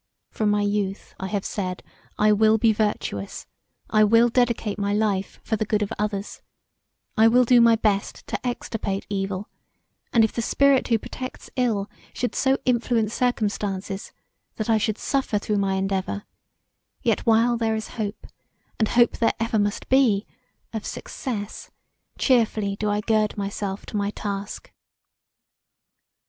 From my youth I have said, I will be virtuous; I will dedicate my life for the good of others; I will do my best to extirpate evil and if the spirit who protects ill should so influence circumstances that I should suffer through my endeavour, yet while there is hope and hope there ever must be, of success, cheerfully do I gird myself to my task.